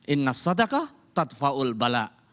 inna sodakoh tatfa'ul bala